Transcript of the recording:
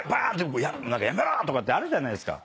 「やめろ！」とかってあるじゃないですか。